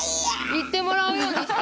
行ってもらうようした。